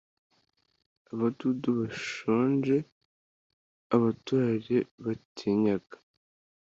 abadubu bashonje abaturage batinyaga